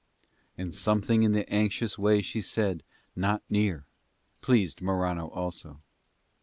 And something in the anxious way she said "not near" pleased Morano also.